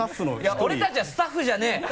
いや俺たちはスタッフじゃねぇ！